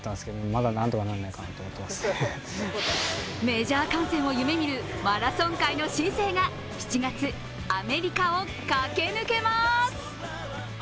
メジャー観戦を夢見るマラソン界の新星が７月、アメリカを駆け抜けます。